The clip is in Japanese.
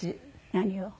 何を？